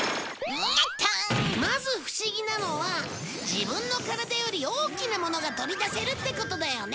まず不思議なのは自分の体より大きなものが取り出せるってことだよね！